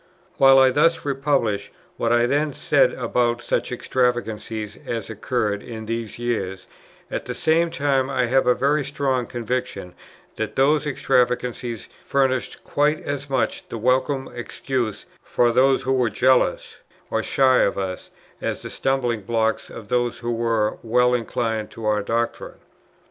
While I thus republish what I then said about such extravagances as occurred in these years, at the same time I have a very strong conviction that those extravagances furnished quite as much the welcome excuse for those who were jealous or shy of us, as the stumbling blocks of those who were well inclined to our doctrines.